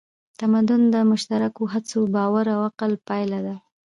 تمدن د مشترکو هڅو، باور او عقل پایله ده.